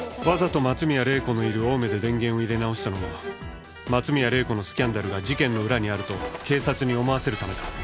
わざと松宮玲子のいる青梅で電源を入れ直したのも松宮玲子のスキャンダルが事件の裏にあると警察に思わせるためだ。